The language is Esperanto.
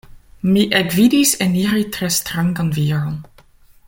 Mi ekvidis eniri tre strangan viron.